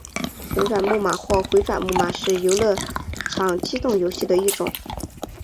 旋转木马或回转木马是游乐场机动游戏的一种。